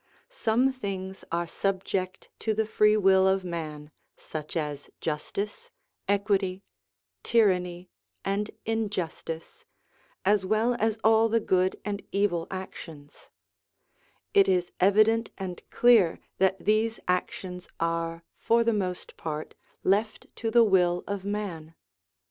Some things are subject to the free will of man, such as justice, equity, tyranny, and injustice, as well as all the good and evil actions ; it is evident and clear that these actions are, for the most part, left to the will of man.